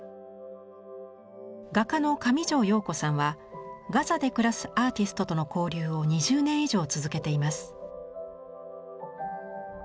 画家の上條陽子さんはガザで暮らすアーティストとの交流を２０年以上続けています。